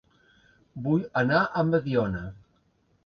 Vull anar a Mediona